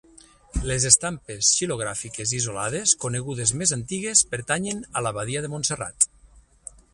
Les estampes xilogràfiques isolades conegudes més antigues pertanyen a l'abadia de Montserrat.